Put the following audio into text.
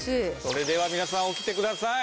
それでは皆さん起きてください。